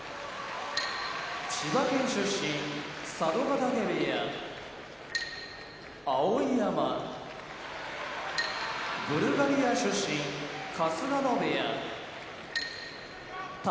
千葉県出身佐渡ヶ嶽部屋碧山ブルガリア出身春日野部屋宝